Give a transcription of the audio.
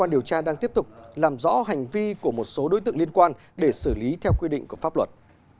điều tra đang tiếp tục làm rõ hành vi của một số đối tượng liên quan để xử lý theo quy định của pháp luật